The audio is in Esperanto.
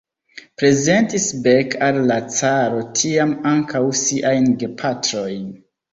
Prezentis Beck al la caro tiam ankaŭ siajn gepatrojn.